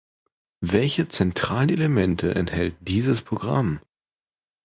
Welche zentralen Elemente enthält dieses Programm?